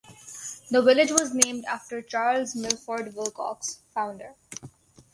The village was named after Charles Milford Wilcox, founder.